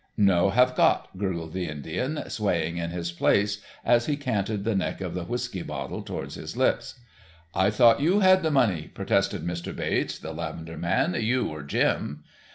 "No have got," gurgled the Indian, swaying in his place as he canted the neck of the whiskey bottle towards his lips. "I thought you had the money," protested Mr. Bates, the lavender man, "you or Jim."